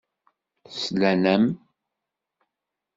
Slan-am.